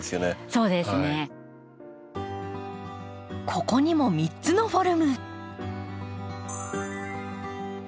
ここにも３つのフォルム。